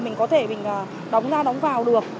mình có thể mình đóng ra đóng vào được